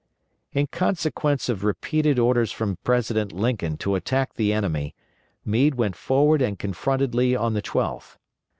In consequence of repeated orders from President Lincoln to attack the enemy, Meade went forward and confronted Lee on the 12th.